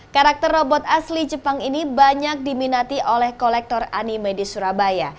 karakter robot asli jepang ini banyak diminati oleh kolektor anime di surabaya